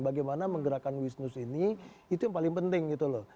bagaimana menggerakkan wisnus ini itu yang paling penting gitu loh